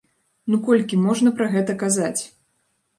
Ну колькі можна пра гэта казаць?